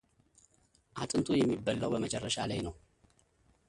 አጥንቱ የሚበላው በመጨረሻ ላይ ነው፡፡